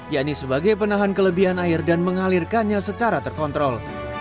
yakni sebagai penahan kelebihan air dan mengalirkannya secara terkontrol